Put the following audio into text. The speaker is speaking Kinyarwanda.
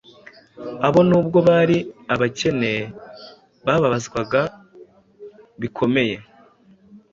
abo nubwo bari abakene, bababazwa bikomeye,